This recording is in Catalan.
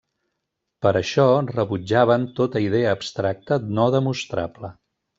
Per això rebutjaven tota idea abstracta no demostrable.